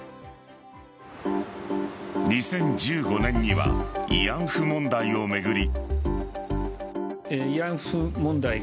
２０１５年には慰安婦問題を巡り。